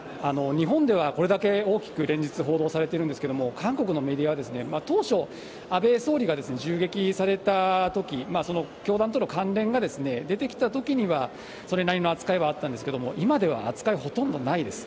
日本ではこれだけ大きく連日、報道されているんですけれども、韓国のメディアは、当初、安倍総理が銃撃されたとき、その教団との関連が出てきたときには、それなりの扱いはあったんですけれども、今では扱いほとんどないです。